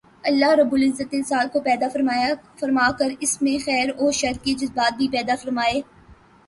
اللہ رب العزت نے انسان کو پیدا فرما کر اس میں خیر و شر کے جذبات بھی پیدا فرمائے